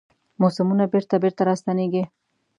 موسمونه بیرته، بیرته راستنیږي